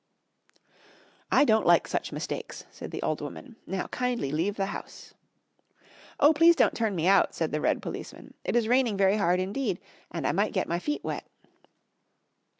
"I don't like such mistakes," said the old woman. "Now kindly leave the house." "Oh, please don't turn me out," said the red policeman, "it is raining very hard indeed, and I might get my feet wet."